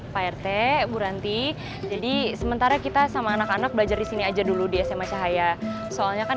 pak rt bu ranti jadi sementara kita sama anak anak belajar di sini aja dulu di sma cahaya soalnya kan